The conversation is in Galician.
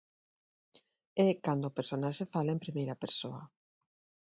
É cando o personaxe fala en primeira persoa.